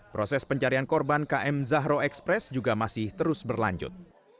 proses pencarian korban km zahro express juga masih terus berlanjut